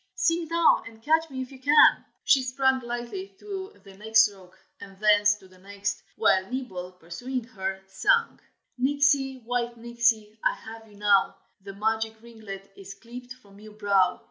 Sing, now, and catch me if you can!" [Illustration: ON THE BEACH.] She sprang lightly to the next rock, and thence to the next, while Nibble, pursuing her, sang: "Nixie, white Nixie, I have you now! The magic ringlet is clipped from your brow.